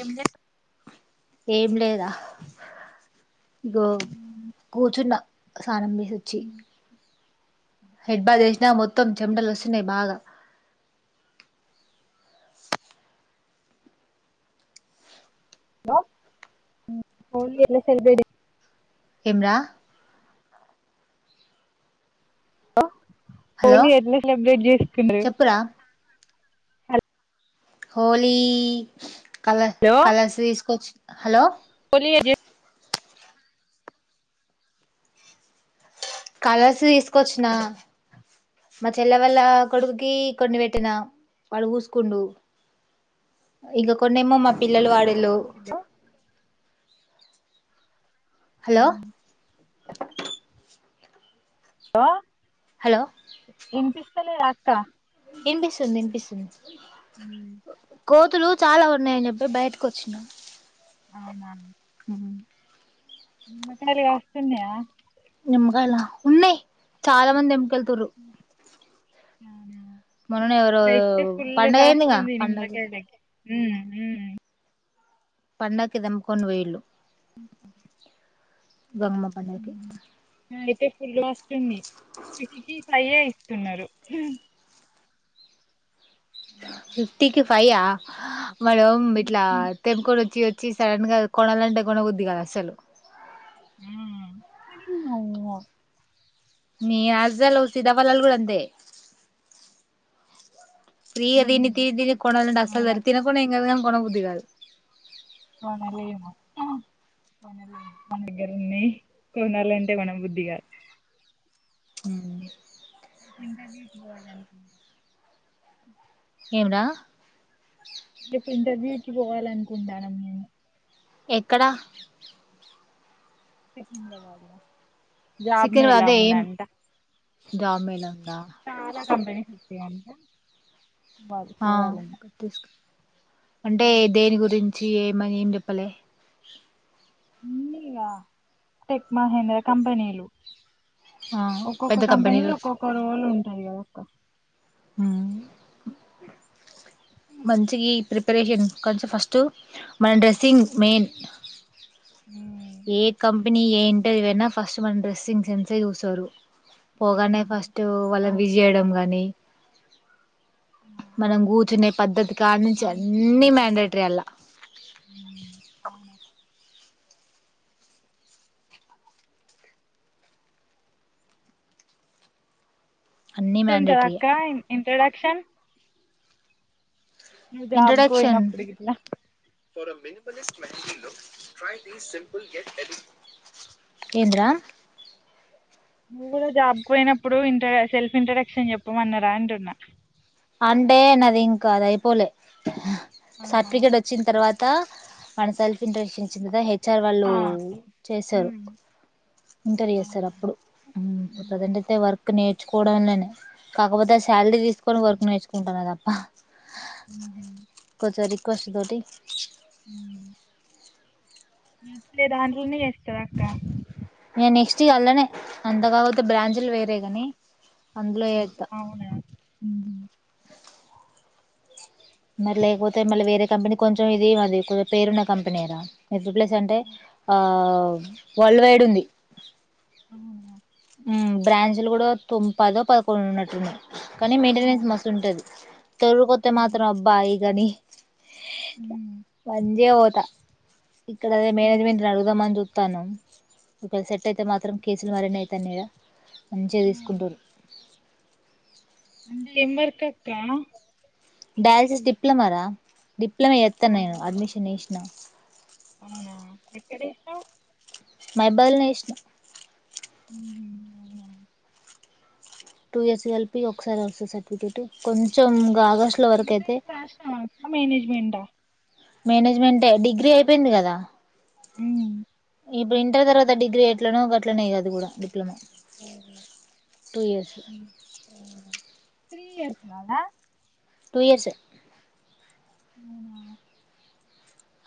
ఏం చేస్ ఏం లేదా గో కూచున్న సానం చేసిఒచ్చీ మొత్తం చెమటలు వస్తున్నాయి బాగా హలో హోలీ ఎలా సెలబ్రేట్ చేస్. ఏం రా. హలో. హలో హోలీ ఎట్లా సెలబ్రేట్ చేసుకుండ్రు. చెప్పురా హోలీ. కలర్ హలో కలర్స్ తీసుకోచ్చి హలో హోలీ కలర్స్ తీసుకొచ్చిన మా చెల్లె వాళ్ళ కొడుకుకి కొన్ని పెట్టినా వాడు ఊసుకుండు ఇంక కొన్ని ఏమో మా పిల్లలు వాడి. హలో హలో ఆహ్. హలో వినిపిస్తు. సర్లే అక్క. వినిపిస్తుంది వినిపిస్తుంది. కోతులు చాలా ఉన్నాయని చెప్పి బయటకు వచ్చినము. అవునాండి. ఉమ్. మకాల వస్తున్యా. నిమ్మకాయల ఉన్నాయి చాలా మంది ఎముకలు. ఉమ్. అవున. మొన్నేవరో పండగయిందింగా కాస్తుంది పండగ. నిమ్మకాయలకి ఉమ్ ఉమ్ పండక్కి తెంపుకోని పోయిండ్రు. గంగమ్మ పండగకి ఆహ్ అయితే ఫులు వస్తుంన్నయి ఫైయే. తిన్నారు. పైవ్ ఆహ్. మేడం ఇట్లా తెంపుకొని వచ్చి. వచ్చి సడన్ గా కొనాలంటే కోనబుద్ధి కాదు అస్సలు. ఆహ్ మీ ఆస్లు సీతాఫలాలు కూడా అంతే. ఫ్రీగా తిని తి తిని కొనాలంటే అస్సలు అవునక్క తిన కూడా ఎం కాదు కానీ కొనబుద్ధి. విరాల్. కొనలేము కొనలేము మన దగ్గరున్నయి కొనాలంటే కొనబుద్ధికాదు. ఉమ్. ఇంటర్వ్యూ కి పోవాలని ఉంది. ఏమి రా. ఇంటర్వ్యూకి. క్కిలొ పోయాలనుకుంటాన మేను ఎక్కడ సికింద్రబాద్లా సికింద్రబాద్ ఏం జాబ్ మేలా ఉందా కంపెని సుత్తి అంట ఆ తీసుకో అంటే దేని గురించి ఏ మనీ పం చెప్పలే అన్నీగా టెక్ మహేంద్ర కంపెనీలు ఆ పెద్ద ఒక్కొక్క కంపెనీ లో కంపెనీలు ఒక్కొక్క రోలు ఉంటది కదక్క ఉమ్ మంచిగి ప్రిపరేషన్ కొంచం ఫస్ట్ మన డ్రెస్సింగ్ మెయిన్ ఉమ్, ఏ కంపెనీ ఏం ఏదైనా ఫస్ట్ మన డ్రెస్సింగ్ సెన్స్ ఏ చూసారు పోగానే ఉమ్, ఫస్ట్ వాళ్ళను అవును విష్ చేయడం గాని మనం కూర్చునే పద్ధతి కానుంచి పంట అన్ని ఏంటా మ్యాండేటరీ అల్లా అన్ని మ్యాండేటరీయే తింటారక్క ఇంత క్షన్ నువ్ ఇంట్రొడక్షన్ జాబ్కోయినప్పుడుగిట్ల ఏంద్రా నువ్వు కూడా జాబ్కు పోయినప్పుడు ఇంట్రడక్షన్ సెల్ఫ్ ఇంట్రడక్షన్ చెప్పుమన్నార అంటున్నా అంటే నది ఇంకా అది అయిపోలే ఆహా సర్టిఫికేట్ వచ్చిన తర్వాత త మనసల్ఫింట్రడక్షన్ ఇచ్చిన త హెచ్ వచ్చార్ వాళ్ళు ఆ. చేశారు ఉమ్. ఇంటర్ చేస్తారు అవునా అప్పుడు ఉమ్ ప్రజెంట్ మ్మ్. అయితే వర్క్ నే కోడవన్ననే కాకపోతె శాలరీ తీసుకొని వరకు తెసుుకుంటానె తప్పా మ్మ్. కొచరి కోశ దోటి ఉమ్ నచ్చితే దాంట్లనే చేస్తదక్క నేను నెక్స్ట్ అళ్ళనే అంత కాకపోతే బ్రాంచుల్ వేరే కాని అందులో హుమ్ చేస్తా అవున మరి లేకపోతె మళ్ళె వేరే కంపెనీ కొంచెం ఇది అది పేరున్న కంపెనేరా ఎగ్ ప్లేస్ అంటే ఆ, ఆ వరల్డ్ వైడ్ ఉంది ఆ ఊమ్ బ్రాంచ్లు గుడా తొమ్ పదో పదకొండో ఉన్నట్టున్నయి కానీ మెయింటెనెన్స్ ఆ. మస్తు ఉంటది తొర్రూర్ కొత్తే మ్మ్. మాత్రం అబ్బా ఇగని మ్మ్. మజ్యవర్ త ఇక్కడ అదే మ్మ్. మేనేజ్మెంట్ ని అడుగుదామని జుత్ తను ఒకవేళ సెట్ అయితే మాత్రం కేసులు మరినై తనిడ మంచే ఆ. తీసుకుంటుండు [inaudible] అంటే ఏం వర్కక్క డయాలసిస్ డిప్లమ రా డిప్లొమా చేత్తనే గా అవునా అడ్మిషన్ నీష్ నా అవునా ఎక్కడ ఎసినవ్ మైబ్బాద్ లనే చేసిన అవునా టూ ఇయర్స్ కలిపి ఒక్కసారే వస్తది సర్టిఫికెట్ కొంచం ఎంట్రన్స్ రాసినవాక్క మేనేజ్మెంట మేనేజ్మెంటె డిగ్రీ అయిపోయింది కదా మ్మ్. ఇప్పుడు ఇంటర్ తర్వాత డిగ్రీ ఎట్లనో గట్లనే అది గుడా డిప్లొమ సరే టూ ఇయర్స్ త్రి ఇయర్స్ నాలా టూ ఇయర్సే అవునా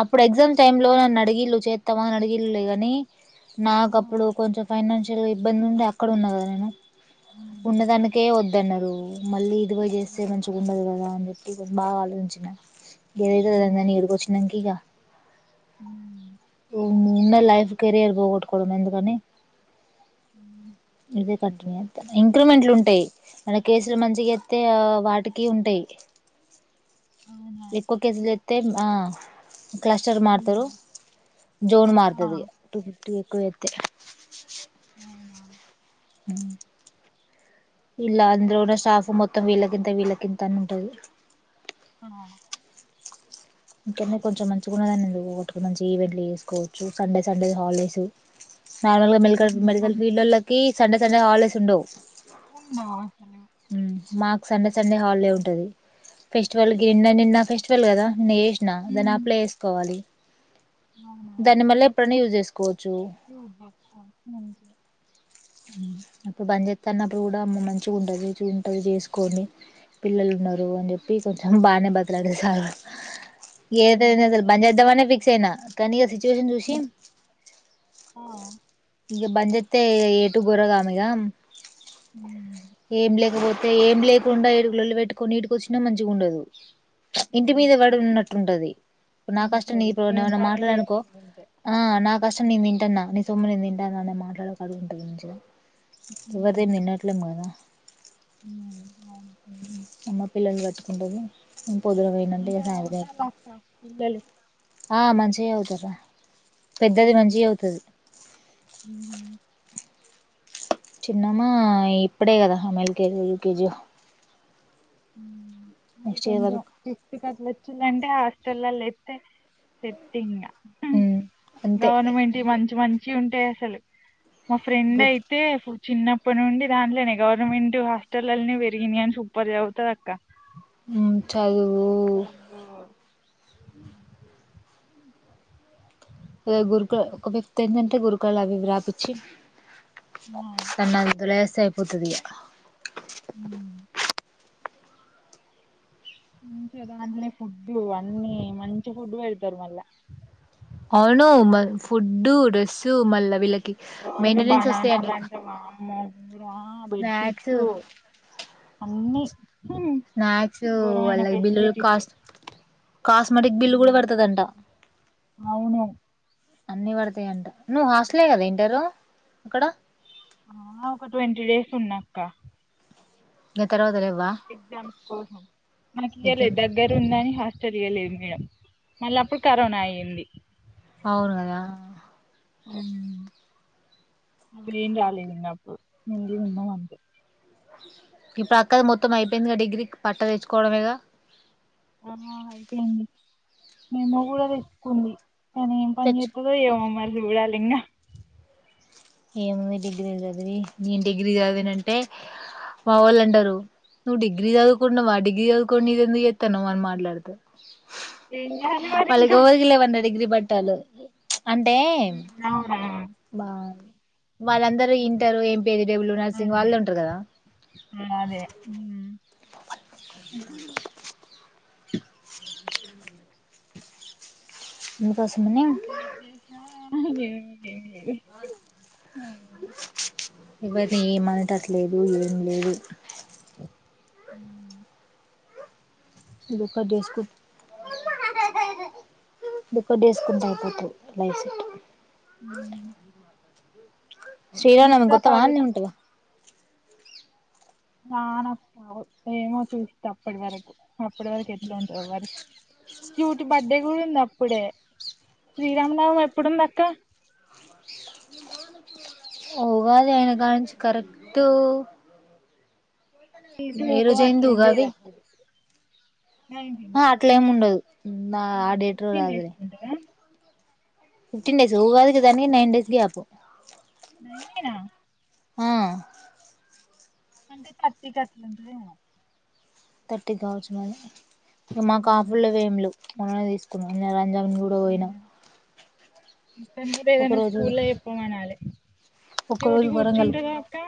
అప్పుడు ఎగ్జామ్ టైమ్ లో నన్ను అడిగిళ్ళు చెత్తవానీ అడిగిళ్ళులే గని నాకప్పుడు ఆ కొంచెం ఫైనాన్ ల్ ఇబ్బంది ఉండే అక్కడ ఉన్న కద నేను అవును. ఉన్నదానికే వద్ అన్నరు మళ్ళీ ఇ ఇది పోయ్ చేస్తే మంచిగుండదు కదా అని కు బా ఆలోచించిన ఏదైతే ఉమ్ అదైందని ఈడికి వచ్చి కిగా ఉమ్ వున్నా లైఫ్ కెరియర్ పోగొట్టుకోవడం ఎందుకని ఇదె ఇంక్రిమెంట్ లుంటాయి మన కేసులు మంచిగా చేతే వాటికి ఉంటాయి అవును అవునా ఎక్కువ కేసులు చేత్ తే ఆ క్లస్టర్ మారుతరు ఉమ్ జోన్ ఆ మారుతది టీ ఎక్కువ చేతే అవునా హు ఇలా అందులో ఉన్న స్టాఫ్ మొత్తం వీళ్ళకింత వీళ్ళకింత అని ఉంటది ఆ ఇక్కన్నె అవునా కొంచెం మంచిగున్నదండి మంచిగా ఈవెంట్లు చేసుకోవచ్చు సండే సండే హాలిడేస్ నార్మల్ గా మెడికల్ ఉమ్, మెడికల్ ఫీల్డ్ మంచిగా ఓళ్లకి సండె సం డే హాలిడేస్ ఉండవు అవునా మాకు సండే సండే హాలిడే ఉంటది ఫెస్టివల్కి నిన్న నిన్న ఫెస్టివల్ కదా నిన్న చెసిన దాన్ని ఉమ్ అప్లే వేసుకోవాలి దాన్ని మల్ల ఎప్పుడన్న యూజ్ చేసుకో మంచిగ అప్పుడు బంజేతనప్పుడు కూడా అమ్మ మంచిగా ఉంటుంది మంచిగా చేసుకొని పిల్లలు ఉన్నారు అని చెప్పి కొంచెం బాగానే బతిలాడీల్లు సార్ వాళ్ ఉమ్, ఏదైనా అసల్ బంచేద్దామనే ఫీక్ చేనా కని అ జుజున్ చూసి ఉమ్, ఆ ఇగ బంద్ చెతే గోరగామిగ ఉమ్ ఏం లేకపోతే తే ఏం లేకుండా ఇడి లొల్లి పెట్టుకొని ఇడికొచ్చిన మంచిగ ఉండదు ఇంటి అవును మీద వాడి ఉన్నట్ టుంటది ఇప్పుడు నా కష్టం ఉంటది నీతో ఏం నేను పని మాట్లాడననుకొ లేకుండా ఉంటే ఆ నా కష్టం నిన్ కష్టం నేను ఉమ్ తింటున్నా నీ సొమ్ము నేన్ తిం మాట్లాడకడున్ మంచిగా ఎవరిది నిన్నట్లేం గాద అవును అమ్మ పిల్లల్ని పట్టుకుంటది హు మంచిగ చదువుతళ్ళ అక్క పిల్లలు ఆ మంచిగా చదువుతరు రా పెద్దది ఉమ్ మంచిగా చదువుతది ఉహు చిన్నమ్మ ఇప్పుడే కదా ఆమె ఎల్కేజీ యో యూకేజీ యో హుమ్ మళ్ళీ కొంచెం వరకు ఫిఫ్త్ కి అట్లా వచ్చిందంటే హాస్టల్ పిల్లల లేప్తే సెట్టింగ హుమ్ ఉమ్ అంతే గవర్నమెంట్ మంచి మంచి ఉంటయ్ అసలు మా ఫ్రెండ్ అయితే ఫుల్ చిన్నప్పటి నుండి దాంట్లోనే గవర్నమెంట్ హాస్టళ్ళలానే పెరిగింది గానీ సూపర్ చదువ్ చదువుతద్ అక్కా హుమ్మ్ చదువు అబ్బో ఏ ఊర్కో ఒక ఫిఫ్త్ అయిందంటే గురుకులాలు అవి ఇవి రాపీచ్చి ఆ సన్నాది ఇదులెస్ సరిపోతది ఇగ హుమ్ అన్లే ఫుడ్డు అన్ని మంచి ఫుడ్డు పెడతారు మళ్ళా అవును మా ఫుడ్డు డ్రెస్సు మళ్ళ వీళ్ళకి కి రోజు మెంటనెన్స్ వస్తాయ్ బనానాలు అంటక అంటే వామ్మో ఘోరం ఆ స్నాక్స్ బెడ్షీట్స్ అన్ని ఉమ్, స్నాక్స్ ఘోరమైన వాళ్ళ బిల్లులు ఫెసిలిటీస్ కాస్ట్ కాస్మాటిక్ బిల్లు కూడా పడతదంటా అవును అన్ని పడతాయి అంట నువ్వు హాస్టలే కదా ఇంటరు అక్కడ ఆ ఒక ట్వంటీ డేస్ ఉన్నాక్క దాని తర్వాత లెవ్ ఎగ్జామ్స్ కోసం మనకి డెల్యీదు ఎగ్జామ్స్ దగ్గర ఉందని హస్ తెలియలే ఇంకా మళ్ళ అప్పుడు కరోనా అయ్యింది అవును కదా హుమ్మ్ అప్పుడేం రాలేదు నాకు ముందే ఉన్న అంతే ఈ పక్కది మొత్తం అయిపోయిందిగా డిగ్రీ పట్ట తెచ్చుకోవడమేగా నిన్నా గుడా తెచ్చుకుంది తనేమ్ ఏం పని తెచ్చు చెత్తదో ఏమో మరి ఉయ్యాలింకా ఏముంది డిగ్రీలు చదివి నేను డిగ్రీ చదివిన అంటే మా వాళ్ళు అంటారు నువ్వు డిగ్రీ చదువుకున్నావ డిగ్రీ చదువుకోనీ ఇది ఎందుకు చెత్తన్నావ్ అని మాట్లాడుతారు ఏం చెయ్యాలి మరి ఇంకా లేవంట డిగ్రీ పట్టాలి ప్చ్ హుమ్మ్ అవునా బా వాళ్ళందరూ inter M P C W రాసి అదే వాళ్ళే ఉంటారు కదా హు హు హు ఉ ఏ దేశా [unintelligible] [inaudible] ఎవరిని ఏం అనేటట్టు లేదు ఏం లేదు ఉమ్మ్ దుఃఖం చేేసుకుంట దుఃఖం చేేసుకుంటె అయిపోతది. లైఫ్ హుమ్మ్ శ్రీరామ నవమి గొత్తావా అన్నే ఉంటవా తానప్ప ఏమో చూస్త అప్పటి వరకు అప్పటి వరకు ఎట్ల ఉంటదో మరి క్యూటి బర్డే కూడా ఉంది. అప్పుడే శ్రీరామనవమి ఎప్పుడుంది అక్క ఉగాది అయిన కాణించి కరెక్ట్ ఉ కూటీ ఎందుకో అయింది అట్లు ఉండేది ఉగాది అప్పుడు నైన్టీన్ ఆ అట్లే ఏమి ఉండదు నా ఆ డేట్ లో ఫిఫ్టీన్ రాధులే చేసుకుంటరా ఫిఫ్టీన్ డేస్ ఊగాదికి దానికి నైన్ డేస్ గ్యాప్ నైన్ఎ నా ఆ అంటే తట్టికట్లుంటదేమో తట్టిక్ కావచ్చు మరి ఇగ మాక్ ఆఫ్ల్ లేవ్ ఏం లెవ్ మనమే తీస్కుందాం. [inaudible] [unintelligible] గుడా పోయినా అక్కను గుడా ఒక ఏదన్న రోజు స్కూల్ల చెప్పుమనాలే ఒక్క క్యూటీ రోజు వరంగల్ కూర్చింటదా అక్కా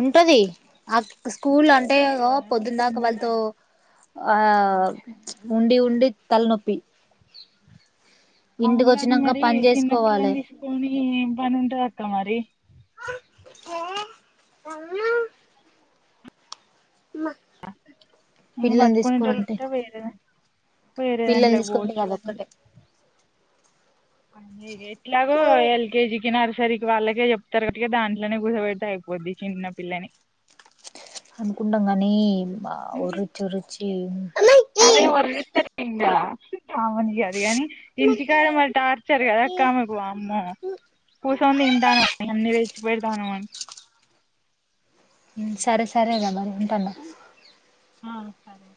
ఉంటది. అ స్కూల్ అంటే ఉంటది ఇగో కదా పొద్దున్దాక వాళ్ళతో పొమ్మనాలి ఆ ఉమ్. ఉండి ఉండి తలనొప్పి ఇంటికి అవును గాని వచ్చినంక మరి పని చేసుకోవాలే చిన్నపిల్లన్ తీస్కోని ఏం పన్ ఉంటదక్క మరి హ అ పిల్లల్ని పట్టుకొనేటోల్ తీసుకోనింటే ఉంటే వేరే వేరే పిల్లల్ని దాంట్లోకి తీసుకుంటే పోవచ్చు అది కానీ ఒక్కటే ఎట్లాగ ఎల్ కేజికి నార సరికి వాళ్ళకే చెప్తరు. వట్టిగ దాంట్లనే కూసో పెడ్తే అయిపోద్ది చిన్నపిల్లని అనుకుంటాం కనీ అబ్బా ఒరిచ్చి ఒరిచ్చి [unintelligible] ఇంటికాడా మరి టార్చర్ కదక్కమకు వమ్మ కుసూని తంటారూ అ సుబే దానమన్ సరే సరేరా బ ఉంటాన్న. ఆ సరే